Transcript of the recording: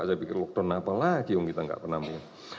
saya pikir lockdown apa lagi om kita nggak pernah punya